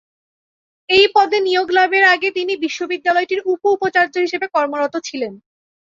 এই পদে নিয়োগ লাভের আগে তিনি বিশ্ববিদ্যালয়টির উপ-উপাচার্য হিসেবে কর্মরত ছিলেন।